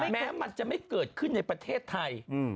แม้มันจะไม่เกิดขึ้นในประเทศไทย